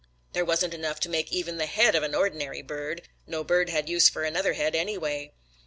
There wasn't enough to make even the head of an ordinary bird. No bird had use for another head, anyway.